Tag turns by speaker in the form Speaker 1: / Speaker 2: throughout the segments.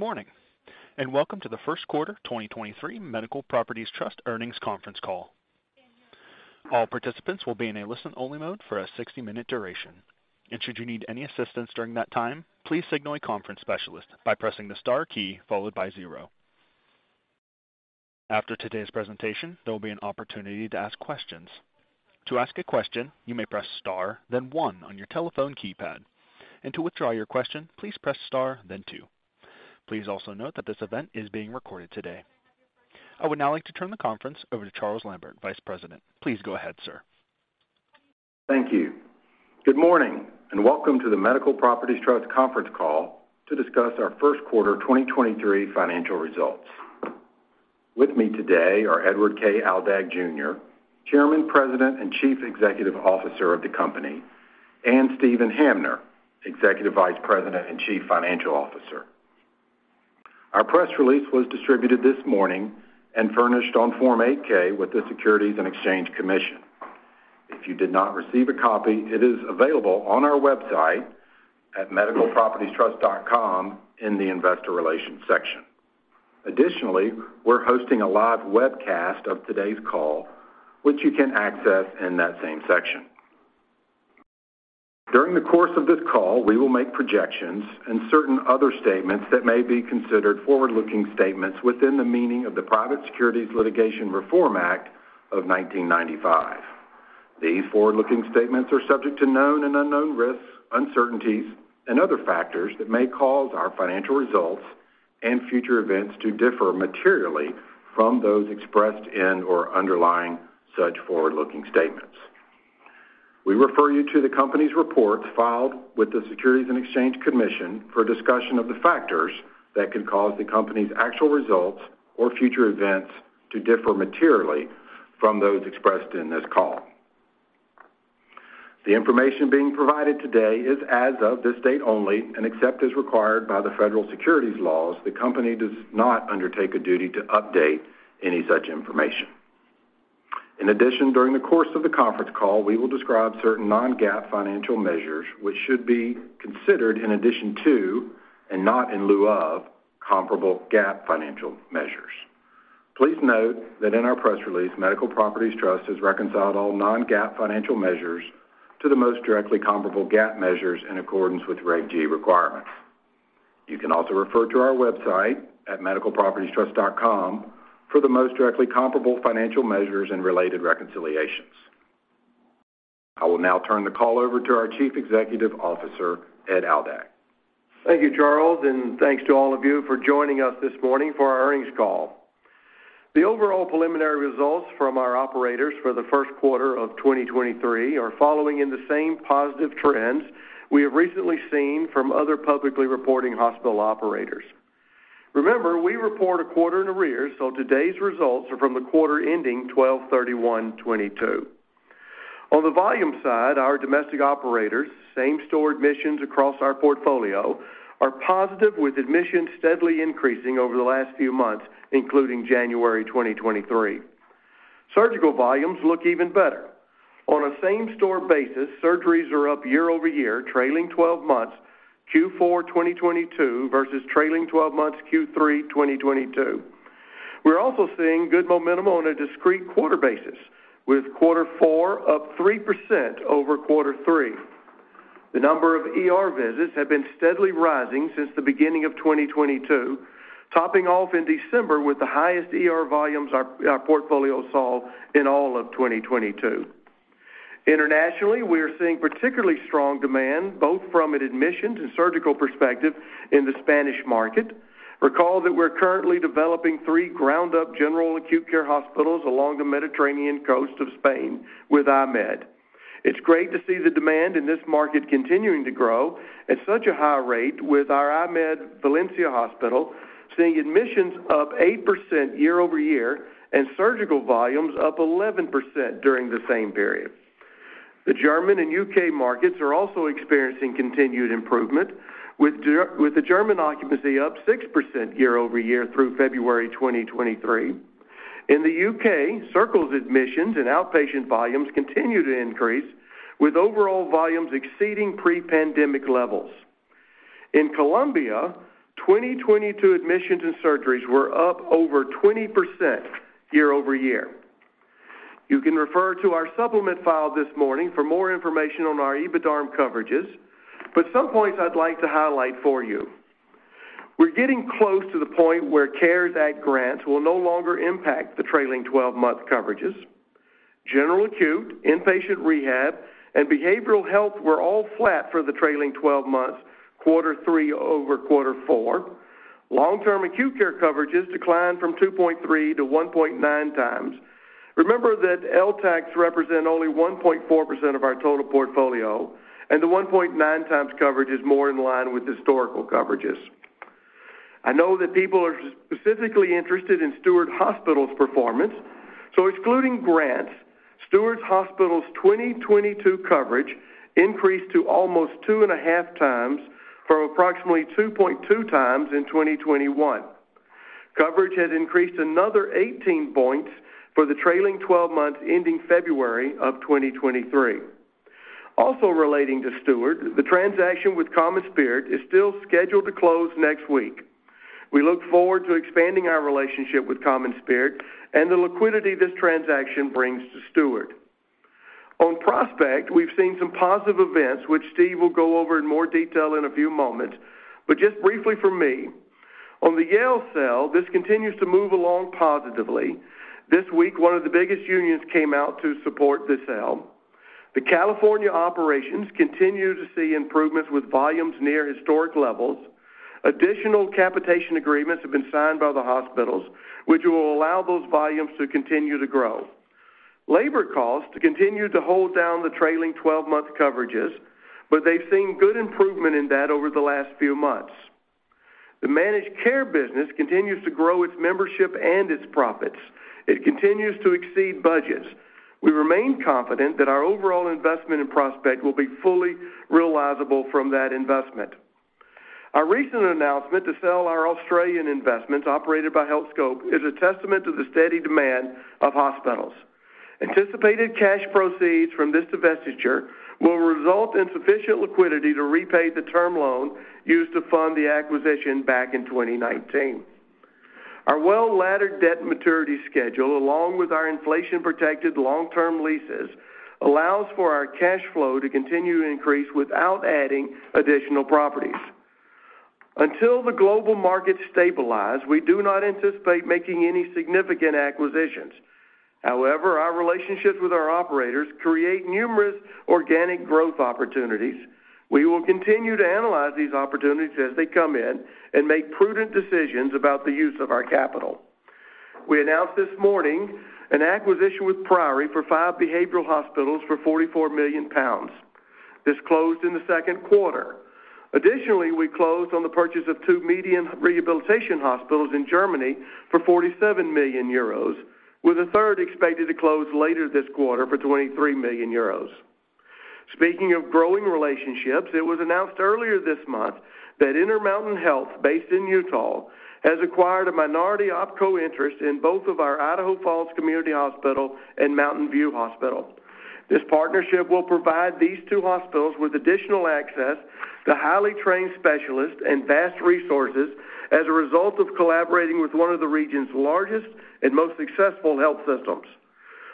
Speaker 1: Good morning, and welcome to the first quarter 2023 Medical Properties Trust earnings conference call. All participants will be in a listen-only mode for a 60-minutes duration. Should you need any assistance during that time, please signal a conference specialist by pressing the star key followed by zero. After today's presentation, there will be an opportunity to ask questions. To ask a question, you may press star, then one on your telephone keypad. To withdraw your question, please press star, then two. Please also note that this event is being recorded today. I would now like to turn the conference over to Charles Lambert, Vice President. Please go ahead, sir.
Speaker 2: Thank you. Good morning, welcome to the Medical Properties Trust conference call to discuss our first quarter 2023 financial results. With me today are Edward K. Aldag Jr., Chairman, President, and Chief Executive Officer of the company, and Steven Hamner, Executive Vice President and Chief Financial Officer. Our press release was distributed this morning and furnished on Form 8-K with the Securities and Exchange Commission. If you did not receive a copy, it is available on our website at medicalpropertiestrust.com in the Investor Relations section. We're hosting a live webcast of today's call, which you can access in that same section. During the course of this call, we will make projections and certain other statements that may be considered forward-looking statements within the meaning of the Private Securities Litigation Reform Act of 1995. These forward-looking statements are subject to known and unknown risks, uncertainties, and other factors that may cause our financial results and future events to differ materially from those expressed in or underlying such forward-looking statements. We refer you to the company's reports filed with the Securities and Exchange Commission for a discussion of the factors that could cause the company's actual results or future events to differ materially from those expressed in this call. The information being provided today is as of this date only, and except as required by the federal securities laws, the company does not undertake a duty to update any such information. In addition, during the course of the conference call, we will describe certain non-GAAP financial measures, which should be considered in addition to, and not in lieu of, comparable GAAP financial measures. Please note that in our press release, Medical Properties Trust has reconciled all non-GAAP financial measures to the most directly comparable GAAP measures in accordance with Reg G requirements. You can also refer to our website at medicalpropertiestrust.com for the most directly comparable financial measures and related reconciliations. I will now turn the call over to our Chief Executive Officer, Ed Aldag.
Speaker 3: Thank you, Charles, and thanks to all of you for joining us this morning for our earnings call. The overall preliminary results from our operators for the first quarter of 2023 are following in the same positive trends we have recently seen from other publicly reporting hospital operators. Remember, we report a quarter in arrears, so today's results are from the quarter ending 12/31/2022. On the volume side, our domestic operators, same-store admissions across our portfolio, are positive, with admissions steadily increasing over the last few months, including January 2023. Surgical volumes look even better. On a same-store basis, surgeries are up year-over-year, trailing 12 months Q4 2022 versus trailing 12 months Q3 2022. We're also seeing good momentum on a discrete quarter basis, with quarter four up 3% over quarter three. The number of ER visits have been steadily rising since the beginning of 2022, topping off in December with the highest ER volumes our portfolio saw in all of 2022. Internationally, we are seeing particularly strong demand, both from an admissions and surgical perspective in the Spanish market. Recall that we're currently developing three ground-up general acute care hospitals along the Mediterranean coast of Spain with IMED. It's great to see the demand in this market continuing to grow at such a high rate with our IMED Valencia hospital seeing admissions up 8% year-over-year and surgical volumes up 11% during the same period. The German and U.K markets are also experiencing continued improvement, with the German occupancy up 6% year-over-year through February 2023. In the U.K., Circle's admissions and outpatient volumes continue to increase, with overall volumes exceeding pre-pandemic levels. In Colombia, 2022 admissions and surgeries were up over 20% year-over-year. You can refer to our supplement file this morning for more information on our EBITDARM coverages, but some points I'd like to highlight for you. We're getting close to the point where CARES Act grants will no longer impact the trailing 12 months coverages. General acute, inpatient rehab, and behavioral health were all flat for the trailing 12 months Q3 over Q4. Long-term acute care coverages declined from 2.3-1.9 times. Remember that LTACs represent only 1.4% of our total portfolio, and the 1.9 times coverage is more in line with historical coverages. I know that people are specifically interested in Steward Hospital's performance. Excluding grants, Steward's Hospital's 2022 coverage increased to almost 2.5x from approximately 2.2x in 2021. Coverage has increased another 18 points for the trailing 12 months ending February of 2023. Also relating to Steward, the transaction with CommonSpirit is still scheduled to close next week. We look forward to expanding our relationship with CommonSpirit and the liquidity this transaction brings to Steward. On Prospect, we've seen some positive events, which Steve will go over in more detail in a few moments. Just briefly from me, on the Yale sale, this continues to move along positively. This week, one of the biggest unions came out to support the sale. The California operations continue to see improvements with volumes near historic levels. Additional capitation agreements have been signed by the hospitals, which will allow those volumes to continue to grow. Labor costs continue to hold down the trailing 12-month coverages, but they've seen good improvement in that over the last few months. The managed care business continues to grow its membership and its profits. It continues to exceed budgets. We remain confident that our overall investment in Prospect will be fully realizable from that investment. Our recent announcement to sell our Australian investments operated by Healthscope is a testament to the steady demand of hospitals. Anticipated cash proceeds from this divestiture will result in sufficient liquidity to repay the term loan used to fund the acquisition back in 2019. Our well-laddered debt maturity schedule, along with our inflation-protected long-term leases, allows for our cash flow to continue to increase without adding additional properties. Until the global markets stabilize, we do not anticipate making any significant acquisitions. However, our relationships with our operators create numerous organic growth opportunities. We will continue to analyze these opportunities as they come in and make prudent decisions about the use of our capital. We announced this morning an acquisition with Priory for five behavioral hospitals for 44 million pounds. This closed in the second quarter. Additionally, we closed on the purchase of two MEDIAN rehabilitation hospitals in Germany for 47 million euros, with a third expected to close later this quarter for 23 million euros. Speaking of growing relationships, it was announced earlier this month that Intermountain Health, based in Utah, has acquired a minority opco interest in both of our Idaho Falls Community Hospital and Mountain View Hospital. This partnership will provide these two hospitals with additional access to highly trained specialists and vast resources as a result of collaborating with one of the region's largest and most successful health systems.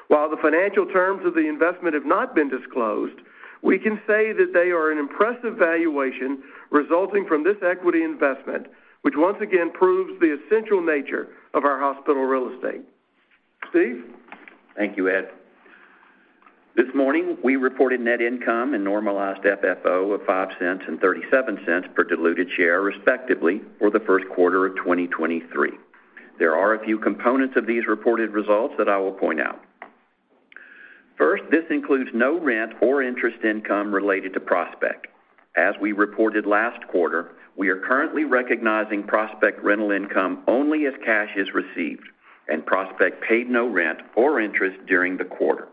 Speaker 3: While the financial terms of the investment have not been disclosed, we can say that they are an impressive valuation resulting from this equity investment, which once again proves the essential nature of our hospital real estate. Steve?
Speaker 4: Thank you, Ed. This morning, we reported net income and normalized FFO of $0.05 and $0.37 per diluted share, respectively, for the first quarter of 2023. There are a few components of these reported results that I will point out. First, this includes no rent or interest income related to Prospect. As we reported last quarter, we are currently recognizing Prospect rental income only if cash is received, and Prospect paid no rent or interest during the quarter.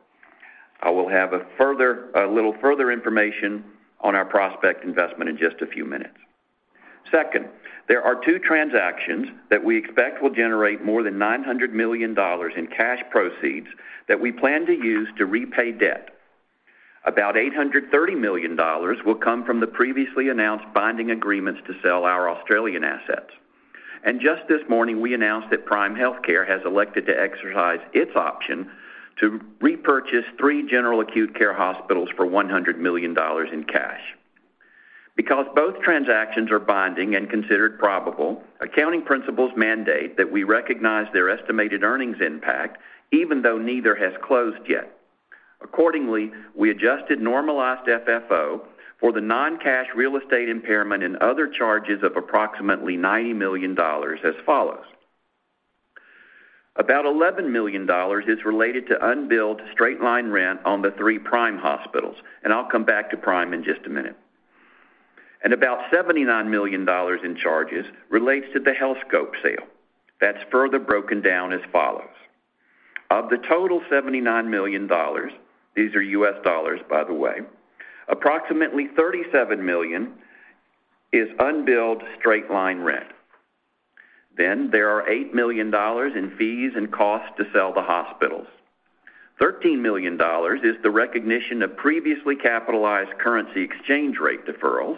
Speaker 4: I will have a little further information on our Prospect investment in just a few minutes. Second, there are two transactions that we expect will generate more than $900 million in cash proceeds that we plan to use to repay debt. About $830 million will come from the previously announced binding agreements to sell our Australian assets. Just this morning, we announced that Prime Healthcare has elected to exercise its option to repurchase three general acute care hospitals for $100 million in cash. Because both transactions are binding and considered probable, accounting principles mandate that we recognize their estimated earnings impact even though neither has closed yet. Accordingly, we adjusted normalized FFO for the non-cash real estate impairment and other charges of approximately $90 million as follows. About $11 million is related to unbilled straight-line rent on the three Prime hospitals, and I'll come back to Prime in just a minute. About $79 million in charges relates to the Healthscope sale. That's further broken down as follows. Of the total $79 million, these are U.S. dollars, by the way, approximately $37 million is unbilled straight-line rent. There are $8 million in fees and costs to sell the hospitals. $13 million is the recognition of previously capitalized currency exchange rate deferrals.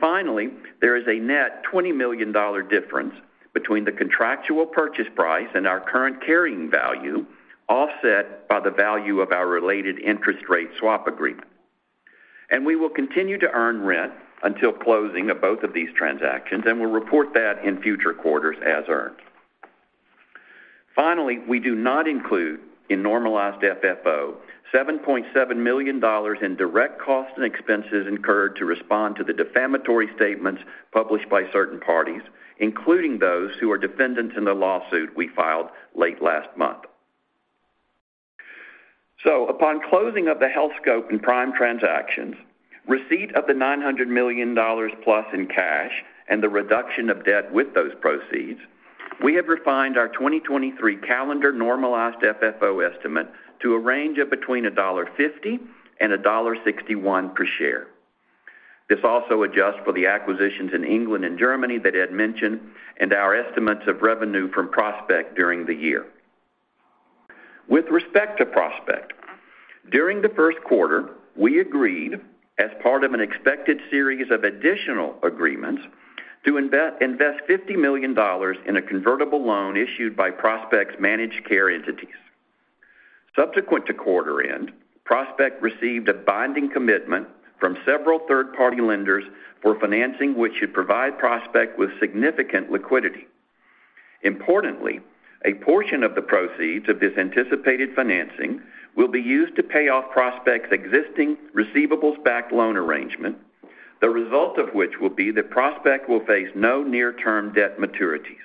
Speaker 4: Finally, there is a net $20 million difference between the contractual purchase price and our current carrying value, offset by the value of our related interest rate swap agreement. We will continue to earn rent until closing of both of these transactions, and we'll report that in future quarters as earned. Finally, we do not include in normalized FFO $77 million in direct costs and expenses incurred to respond to the defamatory statements published by certain parties, including those who are defendants in the lawsuit we filed late last month. Upon closing of the Healthscope and Prime transactions, receipt of the $900 million plus in cash, and the reduction of debt with those proceeds, we have refined our 2023 calendar normalized FFO estimate to a range of between $1.50 and $1.61 per share. This also adjusts for the acquisitions in England and Germany that Ed mentioned and our estimates of revenue from Prospect during the year. With respect to Prospect, during the first quarter, we agreed as part of an expected series of additional agreements to invest $50 million in a convertible loan issued by Prospect's managed care entities. Subsequent to quarter end, Prospect received a binding commitment from several third-party lenders for financing, which should provide Prospect with significant liquidity. Importantly, a portion of the proceeds of this anticipated financing will be used to pay off Prospect's existing receivables-backed loan arrangement, the result of which will be that Prospect will face no near-term debt maturities.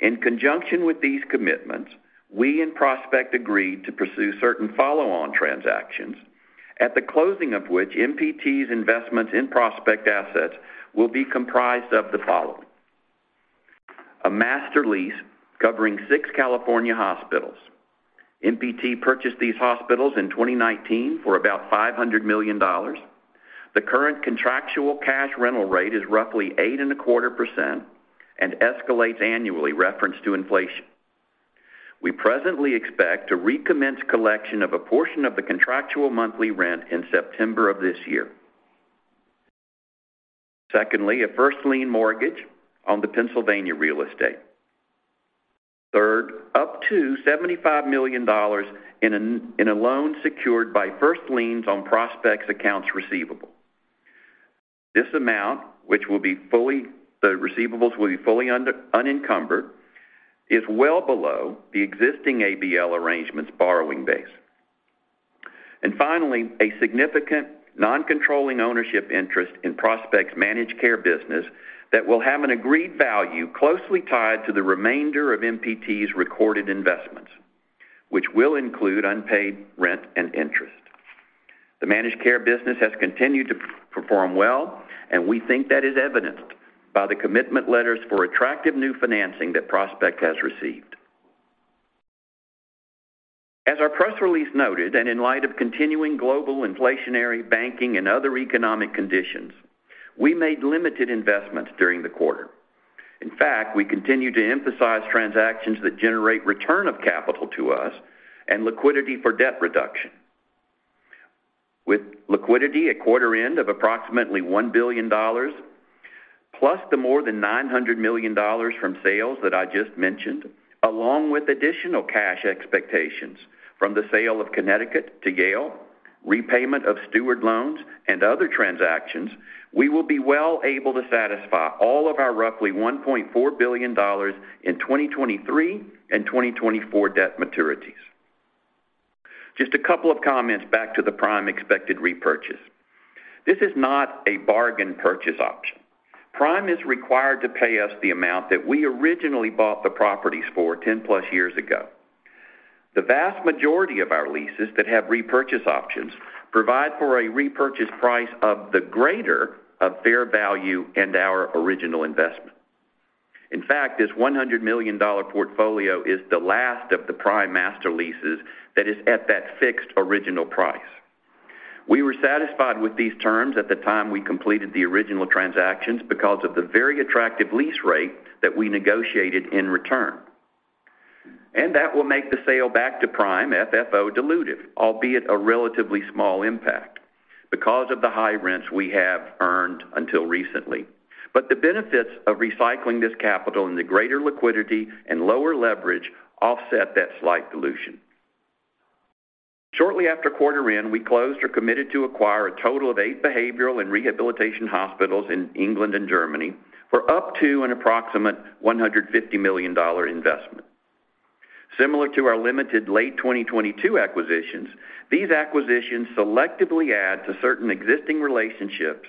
Speaker 4: In conjunction with these commitments, we and Prospect agreed to pursue certain follow-on transactions, at the closing of which MPT's investments in Prospect assets will be comprised of the following. A master lease covering six California hospitals. MPT purchased these hospitals in 2019 for about $500 million. The current contractual cash rental rate is roughly 8.25% and escalates annually referenced to inflation. We presently expect to recommence collection of a portion of the contractual monthly rent in September of this year. Secondly, a first lien mortgage on the Pennsylvania real estate. Third, up to $75 million in a loan secured by first liens on Prospect's accounts receivable. This amount, which will be fully unencumbered, is well below the existing ABL arrangement's borrowing base. Finally, a significant non-controlling ownership interest in Prospect's managed care business that will have an agreed value closely tied to the remainder of MPT's recorded investments, which will include unpaid rent and interest. The managed care business has continued to perform well, and we think that is evidenced by the commitment letters for attractive new financing that Prospect has received. As our press release noted, and in light of continuing global inflationary, banking, and other economic conditions, we made limited investments during the quarter. In fact, we continue to emphasize transactions that generate return of capital to us and liquidity for debt reduction. With liquidity at quarter end of approximately $1 billion, plus the more than $900 million from sales that I just mentioned, along with additional cash expectations from the sale of Connecticut to Yale, repayment of Steward loans, and other transactions, we will be well able to satisfy all of our roughly $1.4 billion in 2023 and 2024 debt maturities. Just a couple of comments back to the Prime expected repurchase. This is not a bargain purchase option. Prime is required to pay us the amount that we originally bought the properties for 10-plus years ago. The vast majority of our leases that have repurchase options provide for a repurchase price of the greater of fair value and our original investment. In fact, this $100 million portfolio is the last of the Prime master leases that is at that fixed original price. We were satisfied with these terms at the time we completed the original transactions because of the very attractive lease rate that we negotiated in return. That will make the sale back to Prime FFO dilutive, albeit a relatively small impact because of the high rents we have earned until recently. The benefits of recycling this capital into greater liquidity and lower leverage offset that slight dilution. Shortly after quarter end, we closed or committed to acquire a total of eight behavioral and rehabilitation hospitals in England and Germany for up to an approximate $150 million investment. Similar to our limited late 2022 acquisitions, these acquisitions selectively add to certain existing relationships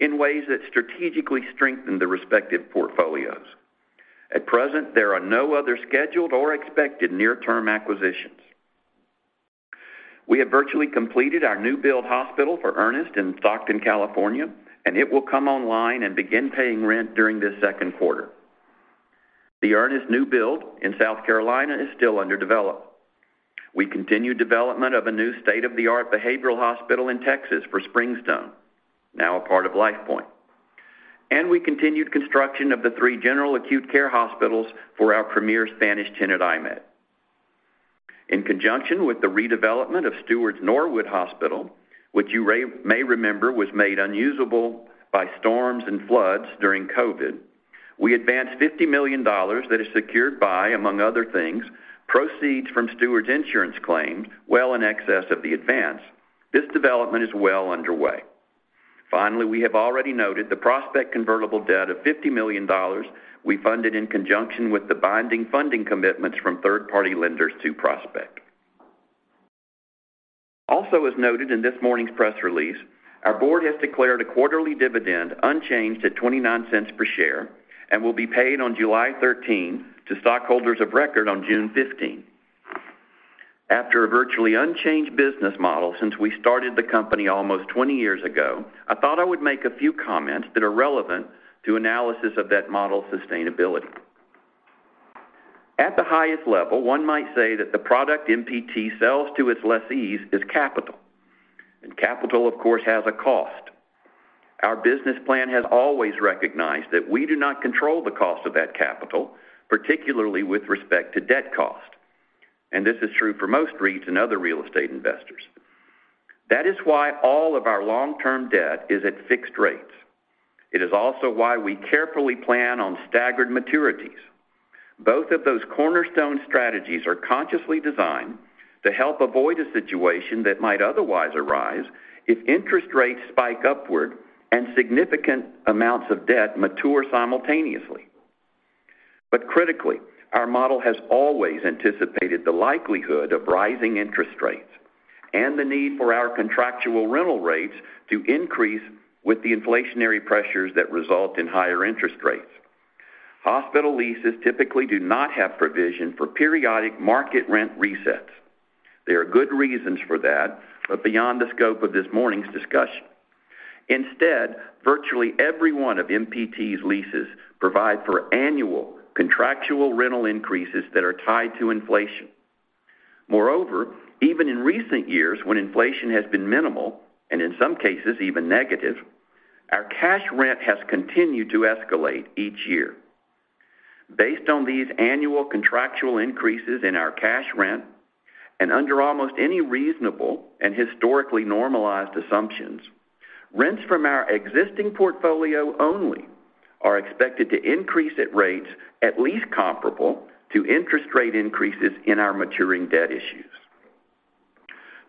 Speaker 4: in ways that strategically strengthen the respective portfolios. At present, there are no other scheduled or expected near-term acquisitions. We have virtually completed our new build hospital for Ernest in Stockton, California, and it will come online and begin paying rent during this second quarter. The Ernest new build in South Carolina is still under development. We continued development of a new state-of-the-art behavioral hospital in Texas for Springstone, now a part of LifePoint. We continued construction of the three general acute care hospitals for our premier Spanish tenant, IMED. In conjunction with the redevelopment of Steward's Norwood Hospital, which you may remember was made unusable by storms and floods during COVID, we advanced $50 million that is secured by, among other things, proceeds from Steward's insurance claims well in excess of the advance. This development is well underway. Finally, we have already noted the Prospect convertible debt of $50 million we funded in conjunction with the binding funding commitments from third-party lenders to Prospect. Also, as noted in this morning's press release, our board has declared a quarterly dividend unchanged at $0.29 per share and will be paid on July 13th to stockholders of record on June 15th. After a virtually unchanged business model since we started the company almost 20 years ago, I thought I would make a few comments that are relevant to analysis of that model's sustainability. At the highest level, one might say that the product MPT sells to its lessees is capital. Capital, of course, has a cost. Our business plan has always recognized that we do not control the cost of that capital, particularly with respect to debt cost, and this is true for most REITs and other real estate investors. That is why all of our long-term debt is at fixed rates. It is also why we carefully plan on staggered maturities. Both of those cornerstone strategies are consciously designed to help avoid a situation that might otherwise arise if interest rates spike upward and significant amounts of debt mature simultaneously. Critically, our model has always anticipated the likelihood of rising interest rates and the need for our contractual rental rates to increase with the inflationary pressures that result in higher interest rates. Hospital leases typically do not have provision for periodic market rent resets. There are good reasons for that, but beyond the scope of this morning's discussion. Instead, virtually every one of MPT's leases provide for annual contractual rental increases that are tied to inflation. Moreover, even in recent years when inflation has been minimal, and in some cases even negative, our cash rent has continued to escalate each year. Based on these annual contractual increases in our cash rent, and under almost any reasonable and historically normalized assumptions, rents from our existing portfolio only are expected to increase at rates at least comparable to interest rate increases in our maturing debt issues.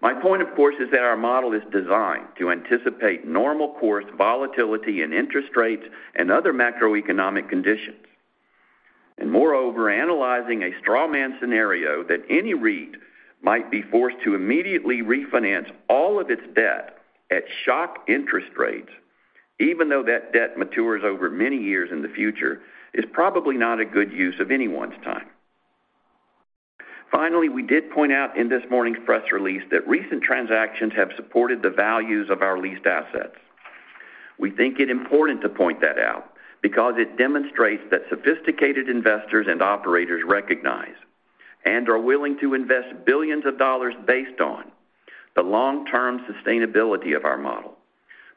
Speaker 4: My point, of course, is that our model is designed to anticipate normal course volatility in interest rates and other macroeconomic conditions. Moreover, analyzing a straw man scenario that any REIT might be forced to immediately refinance all of its debt at shock interest rates, even though that debt matures over many years in the future, is probably not a good use of anyone's time. Finally, we did point out in this morning's press release that recent transactions have supported the values of our leased assets. We think it important to point that out, because it demonstrates that sophisticated investors and operators recognize and are willing to invest billions of dollars based on the long-term sustainability of our model,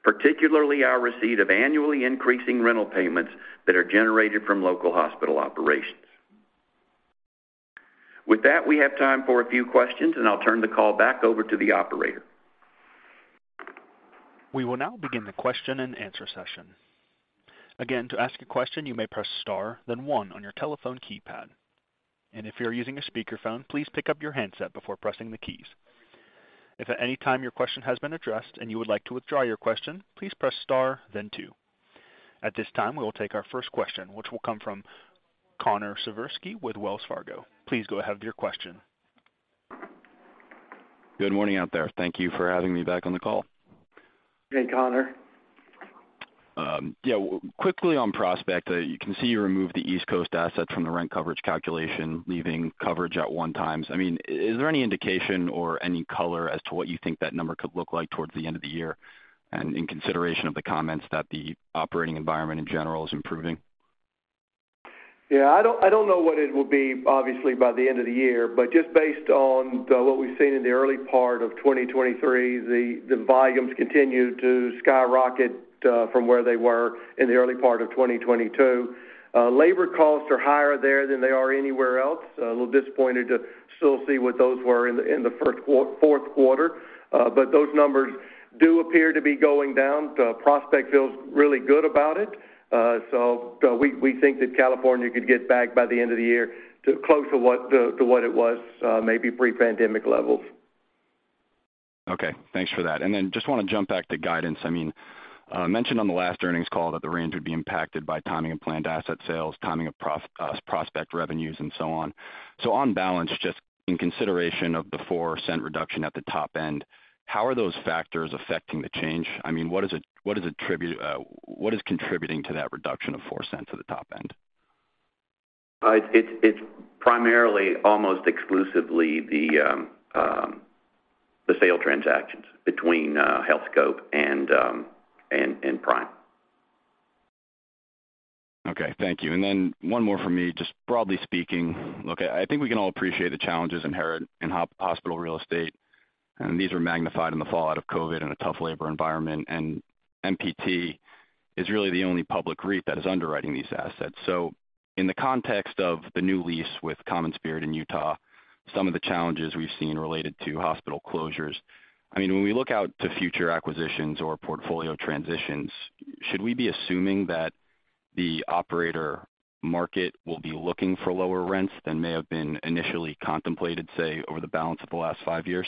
Speaker 4: particularly our receipt of annually increasing rental payments that are generated from local hospital operations. With that, we have time for a few questions, and I'll turn the call back over to the operator.
Speaker 1: We will now begin the question-and-answer session. Again, to ask a question, you may press star then one on your telephone keypad. If you're using a speakerphone, please pick up your handset before pressing the keys. If at any time your question has been addressed and you would like to withdraw your question, please press star then two. At this time, we will take our first question, which will come from Connor Siversky with Wells Fargo. Please go ahead with your question.
Speaker 5: Good morning out there. Thank you for having me back on the call.
Speaker 3: Hey, Connor.
Speaker 5: Yeah, quickly on Prospect, you can see you removed the East Coast asset from the rent coverage calculation, leaving coverage at one times. I mean, is there any indication or any color as to what you think that number could look like towards the end of the year, and in consideration of the comments that the operating environment in general is improving?
Speaker 3: I don't know what it will be, obviously, by the end of the year, but just based on what we've seen in the early part of 2023, the volumes continue to skyrocket from where they were in the early part of 2022. Labor costs are higher there than they are anywhere else. A little disappointed to still see what those were in the fourth quarter. Those numbers do appear to be going down. Prospect feels really good about it. We think that California could get back by the end of the year to close to what it was, maybe pre-pandemic levels.
Speaker 5: Okay, thanks for that. Just wanna jump back to guidance. I mean, mentioned on the last earnings call that the range would be impacted by timing of planned asset sales, timing of Prospect revenues and so on. On balance, just in consideration of the $0.04 reduction at the top end, how are those factors affecting the change? I mean, what is contributing to that reduction of $0.04 at the top end?
Speaker 4: It's primarily almost exclusively the sale transactions between Healthscope and Prime.
Speaker 5: Okay, thank you. Then one more for me, just broadly speaking. Look, I think we can all appreciate the challenges inherent in hospital real estate, and these were magnified in the fallout of COVID and a tough labor environment. MPT is really the only public REIT that is underwriting these assets. In the context of the new lease with CommonSpirit in Utah, some of the challenges we've seen related to hospital closures. I mean, when we look out to future acquisitions or portfolio transitions, should we be assuming that the operator market will be looking for lower rents than may have been initially contemplated, say, over the balance of the last five years?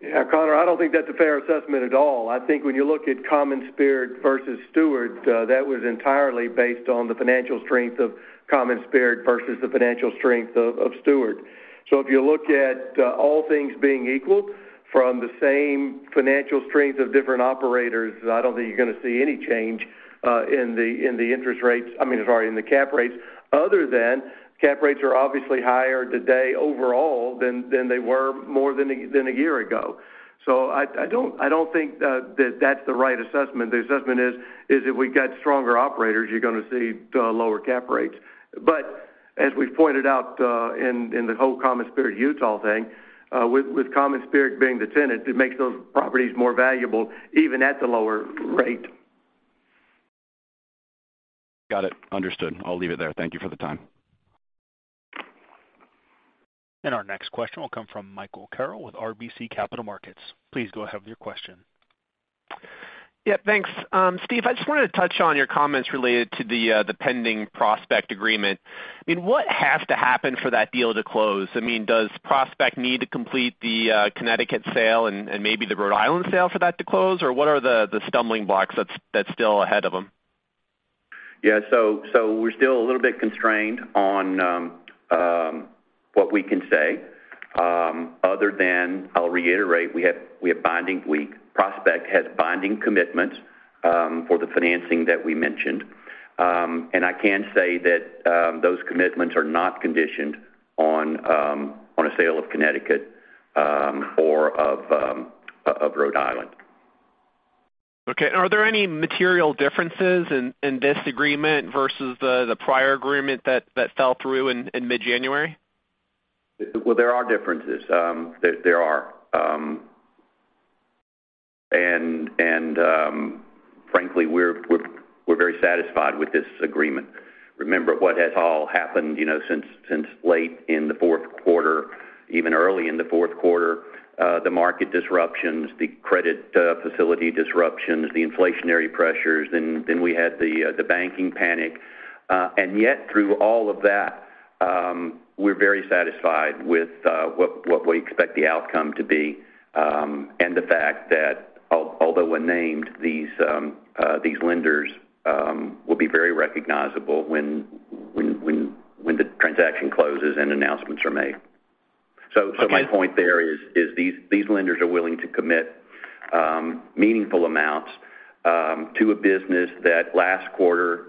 Speaker 3: Yeah, Connor, I don't think that's a fair assessment at all. I think when you look at CommonSpirit versus Steward, that was entirely based on the financial strength of CommonSpirit versus the financial strength of Steward. If you look at all things being equal from the same financial strength of different operators, I don't think you're gonna see any change in the interest rates, I mean, sorry, in the cap rates, other than cap rates are obviously higher today overall than they were more than a year ago. I don't think that's the right assessment. The assessment is if we got stronger operators, you're gonna see lower cap rates. As we've pointed out, in the whole CommonSpirit Utah thing, with CommonSpirit being the tenant, it makes those properties more valuable even at the lower rate.
Speaker 5: Got it. Understood. I'll leave it there. Thank you for the time.
Speaker 1: Our next question will come from Michael Carroll with RBC Capital Markets. Please go ahead with your question.
Speaker 6: Yeah, thanks. Steve, I just wanted to touch on your comments related to the pending Prospect agreement. I mean, what has to happen for that deal to close? I mean, does Prospect need to complete the Connecticut sale and maybe the Rhode Island sale for that to close? What are the stumbling blocks that's still ahead of them?
Speaker 4: We're still a little bit constrained on what we can say other than I'll reiterate, Prospect has binding commitments for the financing that we mentioned. I can say that those commitments are not conditioned on on a sale of Connecticut or of Rhode Island.
Speaker 6: Okay. Are there any material differences in this agreement versus the prior agreement that fell through in mid-January?
Speaker 4: Well, there are differences. There are. Frankly, we're very satisfied with this agreement. Remember what has all happened, you know, since late in the fourth quarter, even early in the fourth quarter, the market disruptions, the credit, facility disruptions, the inflationary pressures, then we had the banking panic. Yet through all of that, we're very satisfied with what we expect the outcome to be, and the fact that although when named, these lenders, will be very recognizable when the transaction closes and announcements are made.
Speaker 6: Okay.
Speaker 4: My point there is, these lenders are willing to commit meaningful amounts to a business that last quarter,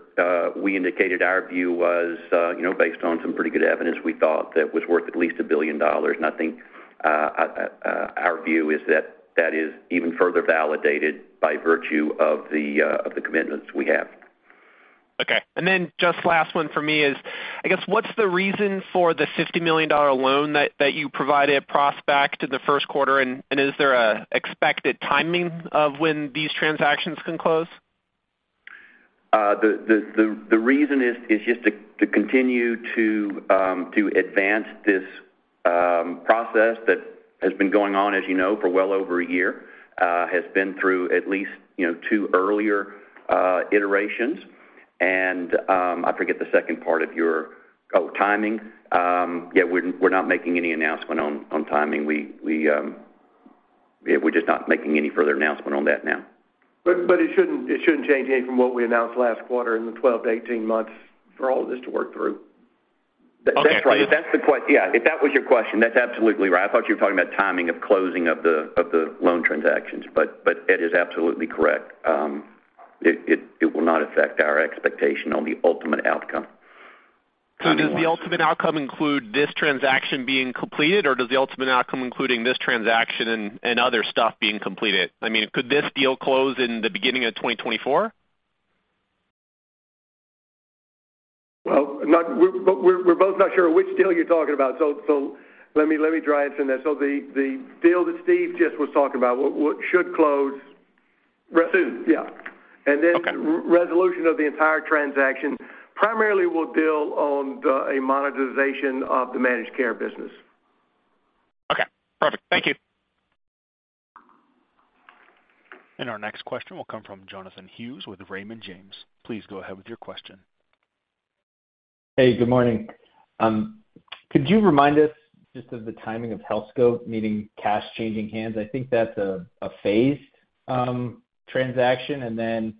Speaker 4: we indicated our view was, you know, based on some pretty good evidence we thought that was worth at least $1 billion. I think our view is that that is even further validated by virtue of the commitments we have.
Speaker 6: Okay. Just last one for me is, I guess, what's the reason for the $50 million loan that you provided Prospect in the first quarter? Is there an expected timing of when these transactions can close?
Speaker 4: The reason is just to continue to advance this process that has been going on, as you know, for well over a year, has been through at least, you know, two earlier iterations. I forget the second part of your. Oh, timing. Yeah, we're not making any announcement on timing. We're just not making any further announcement on that now.
Speaker 3: It shouldn't change anything from what we announced last quarter in the 12-18 months for all of this to work through.
Speaker 6: Okay.
Speaker 4: That's right. That's Yeah, if that was your question, that's absolutely right. I thought you were talking about timing of closing of the loan transactions, but Ed is absolutely correct. It will not affect our expectation on the ultimate outcome.
Speaker 6: Does the ultimate outcome include this transaction being completed, or does the ultimate outcome including this transaction and other stuff being completed? I mean, could this deal close in the beginning of 2024?
Speaker 3: Well, we're both not sure which deal you're talking about, so let me try and trim that. The deal that Steve just was talking about should close soon. Yeah.
Speaker 6: Okay.
Speaker 3: Resolution of the entire transaction primarily will deal on a monetization of the managed care business.
Speaker 6: Okay, perfect. Thank you.
Speaker 1: Our next question will come from Jonathan Hughes with Raymond James. Please go ahead with your question.
Speaker 7: Hey, good morning. Could you remind us just of the timing of Healthscope, meaning cash changing hands? I think that's a phased transaction, and then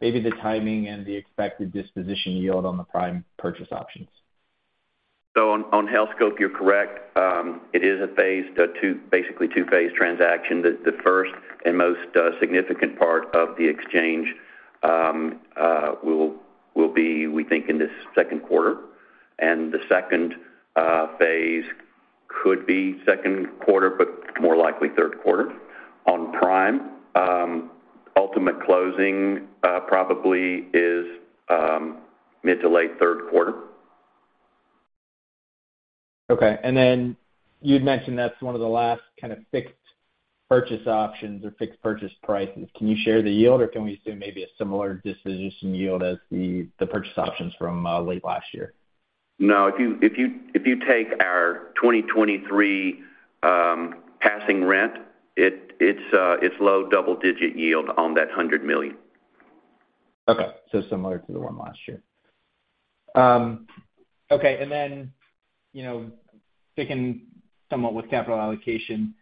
Speaker 7: maybe the timing and the expected disposition yield on the Prime purchase options.
Speaker 4: On Healthscope, you're correct. It is a phased, basically two-phase transaction. The first and most significant part of the exchange will be, we think in this second quarter. The second phase could be second quarter, but more likely third quarter. On Prime, ultimate closing probably is mid to late third quarter.
Speaker 7: Okay. Then you'd mentioned that's one of the last kind of fixed purchase options or fixed purchase prices. Can you share the yield or can we assume maybe a similar disposition yield as the purchase options from late last year?
Speaker 4: No. If you take our 2023 passing rent, it's low double digit yield on that $100 million.
Speaker 7: Okay. Similar to the one last year. Okay. You know, sticking somewhat with capital allocation, you know,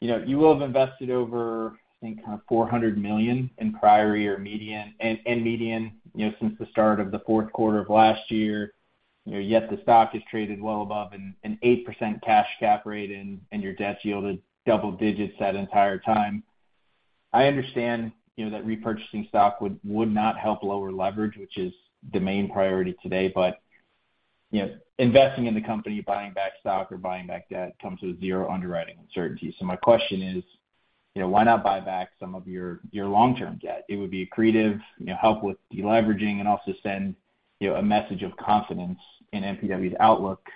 Speaker 7: you will have invested over $400 million in Priory or MEDIAN, you know, since the start of the fourth quarter of last year. You know, yet the stock has traded well above an 8% cash cap rate and your debt yielded double digits that entire time. I understand, you know, that repurchasing stock would not help lower leverage, which is the main priority today. You know, investing in the company, buying back stock or buying back debt comes with zero underwriting uncertainty. My question is, you know, why not buy back some of your long-term debt? It would be accretive, you know, help with deleveraging and also send. You know, a message of confidence in MPW's outlook,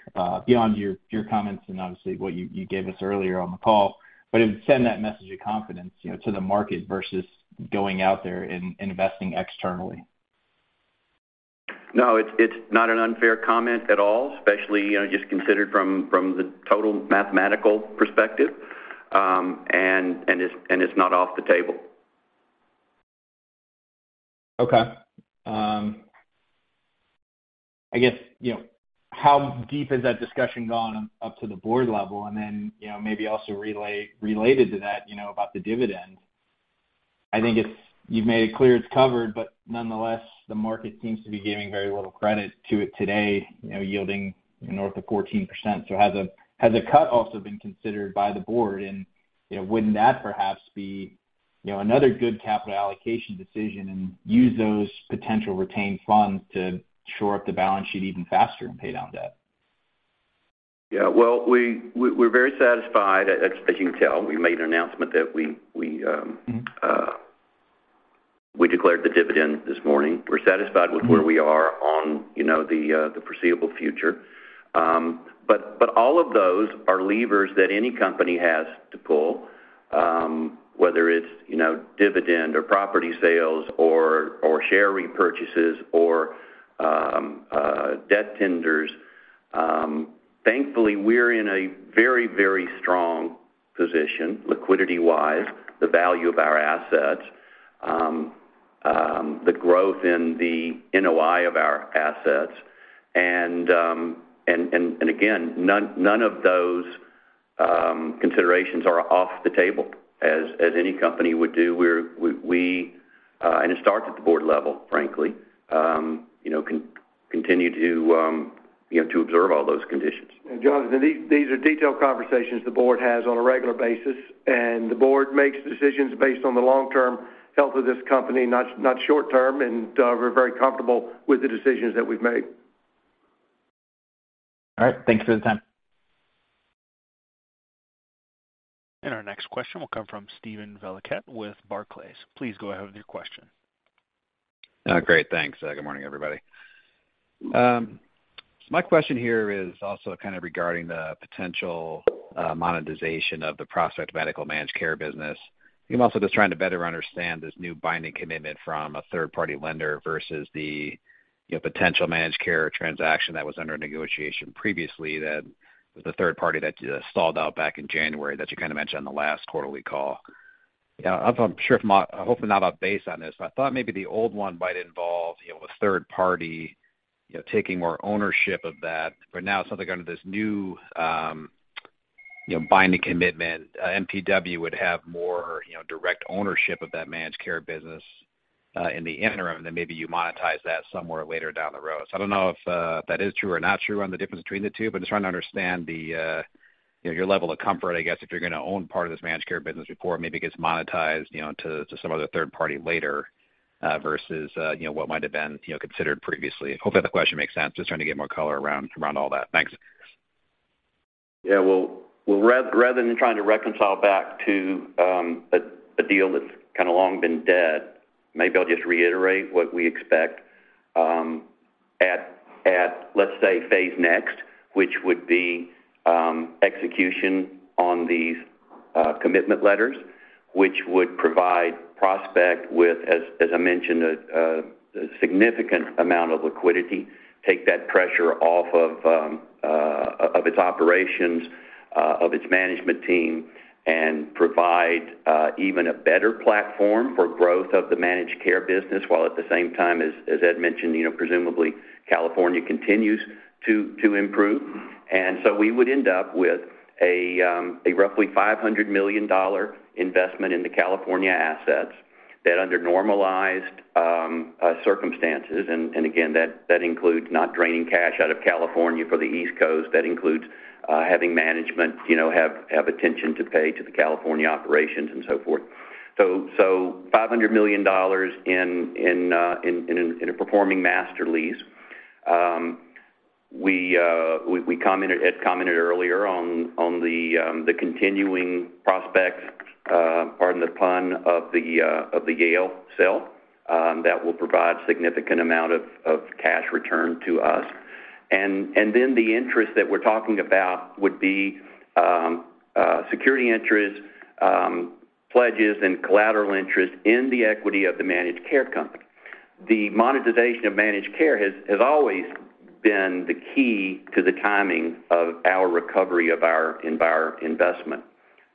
Speaker 7: beyond your comments and obviously what you gave us earlier on the call. It would send that message of confidence, you know, to the market versus going out there and investing externally.
Speaker 4: No, it's not an unfair comment at all, especially, you know, just considered from the total mathematical perspective. It's not off the table.
Speaker 7: Okay. I guess, you know, how deep has that discussion gone up to the board level? You know, maybe also related to that, you know, about the dividend. I think you've made it clear it's covered, but nonetheless, the market seems to be giving very little credit to it today, you know, yielding north of 14%. So has a cut also been considered by the board? And, you know, wouldn't that perhaps be, you know, another good capital allocation decision and use those potential retained funds to shore up the balance sheet even faster and pay down debt?
Speaker 4: Yeah. Well, we're very satisfied, as you can tell, we made an announcement that we.
Speaker 7: Mm-hmm
Speaker 4: We declared the dividend this morning. We're satisfied with where we are on, you know, the foreseeable future. All of those are levers that any company has to pull, whether it's, you know, dividend or property sales or share repurchases or debt tenders. Thankfully, we're in a very, very strong position liquidity-wise, the value of our assets, the growth in the NOI of our assets. Again, none of those considerations are off the table, as any company would do. We, it starts at the board level, frankly, you know, continue to, you know, to observe all those conditions.
Speaker 3: Jonathan, these are detailed conversations the board has on a regular basis, and the board makes decisions based on the long-term health of this company, not short-term, and we're very comfortable with the decisions that we've made.
Speaker 7: All right. Thanks for the time.
Speaker 1: Our next question will come from Steven Valiquette with Barclays. Please go ahead with your question.
Speaker 8: Great. Thanks. Good morning, everybody. My question here is also kind of regarding the potential monetization of the Prospect Medical Managed Care business. I'm also just trying to better understand this new binding commitment from a third-party lender versus the, you know, potential managed care transaction that was under negotiation previously that was the third party that stalled out back in January that you kind of mentioned on the last quarterly call. You know, I'm sure hopefully not off base on this, I thought maybe the old one might involve, you know, a third party, you know, taking more ownership of that. Now it's something under this new, you know, binding commitment, MPW would have more, you know, direct ownership of that managed care business in the interim, maybe you monetize that somewhere later down the road. I don't know if that is true or not true on the difference between the two, but just trying to understand the, you know, your level of comfort, I guess, if you're gonna own part of this managed care business before it maybe gets monetized, you know, to some other third party later, versus, you know, what might have been, you know, considered previously. Hopefully that question makes sense. Just trying to get more color around all that. Thanks.
Speaker 4: Yeah. Well, rather than trying to reconcile back to a deal that's kinda long been dead, maybe I'll just reiterate what we expect at, let's say, phase next, which would be execution on these commitment letters, which would provide Prospect with, as I mentioned, a significant amount of liquidity, take that pressure off of its operations, of its management team and provide even a better platform for growth of the managed care business, while at the same time, as Ed mentioned, you know, presumably California continues to improve. We would end up with a roughly $500 million investment in the California assets that under normalized circumstances, and again, that includes not draining cash out of California for the East Coast. That includes, having management, you know, have attention to pay to the California operations and so forth. So, $500 million in a performing master lease. We commented, Ed commented earlier on the continuing Prospects, pardon the pun, of the Yale sale, that will provide significant amount of cash return to us. Then the interest that we're talking about would be security interest, pledges and collateral interest in the equity of the managed care company. The monetization of managed care has always been the key to the timing of our recovery of our investment.